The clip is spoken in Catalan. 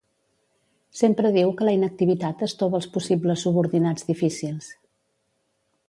Sempre diu que la inactivitat estova els possibles subordinats difícils.